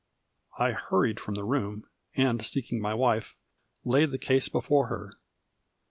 I hurried from the room, and seeking my wife, laid the case before her.